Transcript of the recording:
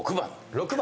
６番。